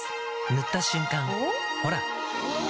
塗った瞬間おっ？